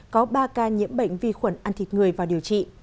có ba ca nhiễm bệnh vi khuẩn ăn thịt người vào điều trị